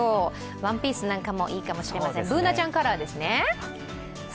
ワンピースなんかもいいかもしれません、Ｂｏｏｎａちゃんカラーですね。